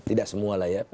tidak semua lah ya